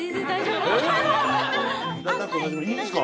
いいんすか？